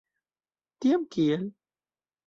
Tiam kiel?